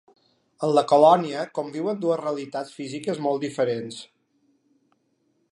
En la colònia conviuen dues realitats físiques molt diferents.